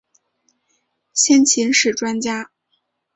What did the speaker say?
先秦史专家。